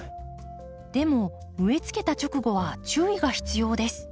でも植えつけた直後は注意が必要です。